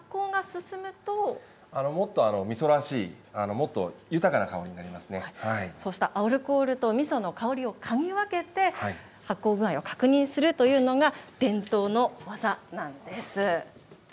もっとみそらしい、もっと豊そうしたアルコールとみその香りを嗅ぎ分けて、発酵具合を確認するというのが、伝統の技なんです。